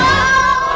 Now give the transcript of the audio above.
itu bukan temen kita